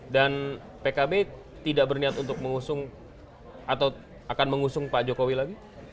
pkb tidak berniat untuk mengusung atau akan mengusung pak jokowi lagi